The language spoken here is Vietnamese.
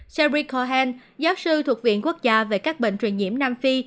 serie cohen giáo sư thuộc viện quốc gia về các bệnh truyền nhiễm nam phi